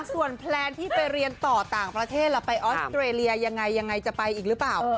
ส่วนแพลนที่ไปเรียนต่อต่างประเทศแล้วไปออสเตรเลียยังไงยังไงจะไปอีกหรือเปล่า